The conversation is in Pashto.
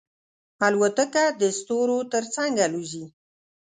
الوتکه د ستورو تر څنګ الوزي.